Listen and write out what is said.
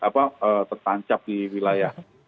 atau tertancap di wilayah